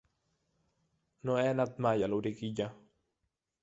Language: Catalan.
No he anat mai a Loriguilla.